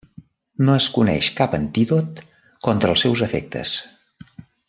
No es coneix cap antídot contra els seus efectes.